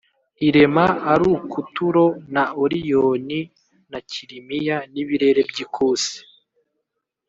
irema arukuturo na oriyoni na kilimiya, n’ibirere by’ikusi